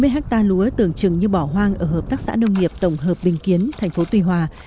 bốn mươi hectare lúa tưởng chừng như bỏ hoang ở hợp tác xã nông nghiệp tổng hợp bình kiến tp tùy hòa